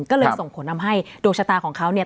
ก็เลยส่งผลทำให้ดวงชะตาของเขาเนี่ย